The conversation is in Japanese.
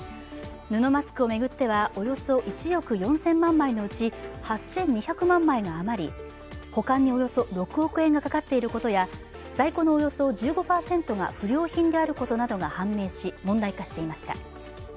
布マスクを巡ってはおよそ１億４０００万枚のうち８２００万枚が余り、保管におよそ６億円がかかっていることや在庫のおよそ１５％が不良品であることが判明し問題化していました。